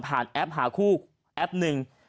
แอปหาคู่แอปหนึ่ง